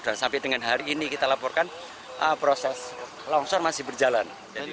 dan sampai dengan hari ini kita laporkan proses longsor masih berjalan